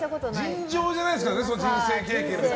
尋常じゃないですから人生経験が。